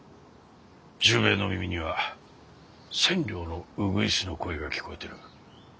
十兵衛の耳には千両のウグイスの声が聞こえてる。